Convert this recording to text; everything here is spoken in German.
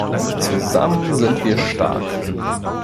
Zusammen sind wir stark!